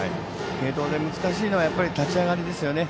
継投で難しいのは立ち上がりですよね。